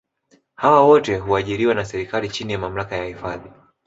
hawa wote huajiriwa na serikali chini ya mamlaka ya hifadhi